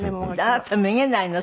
あなためげないの？